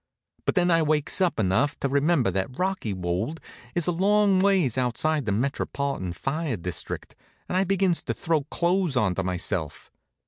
But then I wakes up enough to remember that Rockywold is a long ways outside the metropolitan fire district, and I begins to throw clothes onto myself.